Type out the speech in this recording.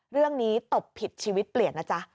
เรื่องนี้ตบผิดชีวิตเปลี่ยนนะจ๊ะ